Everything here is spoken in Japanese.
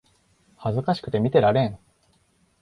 恥ずかしくて見てられん